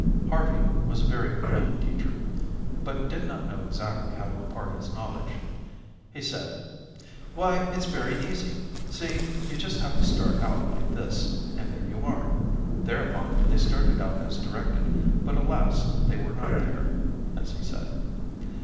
Harvey was a very willing teacher, but did not know exactly how to impart his knowledge. He said: "Why, it's very easy. See, you just have to start out like this, and there you are." Thereupon, they started out as directed, but, alas, they were not there as he said.